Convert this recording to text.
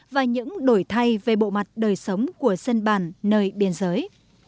và những đổi thay về bộ mặt đời sống của dân bản nơi biên giới